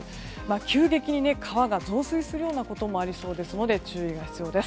急激に川が増水するようなこともありそうですので注意が必要です。